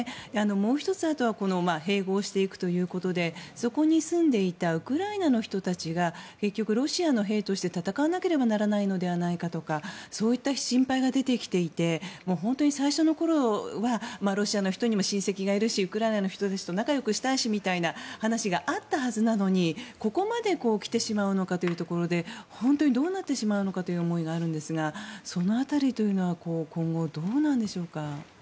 もう１つ併合していくということでそこに住んでいたウクライナの人たちが結局、ロシア兵として戦わなければいけないのではとかそういった心配が出てきていて本当に最初のころはロシアの人にも親戚がいるしウクライナの人たちと仲良くしたいしという話があったはずなのにここまできてしまうのかというところで本当にどうなってしまうのかという思いがありますがその辺り今後どうなんでしょうか。